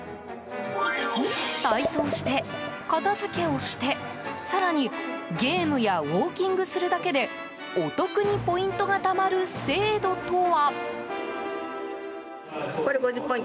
体操して片づけをして、更にゲームやウォーキングするだけでお得にポイントがたまる制度とは？